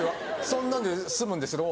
そんなんで済むんですけど。